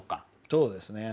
そうですね。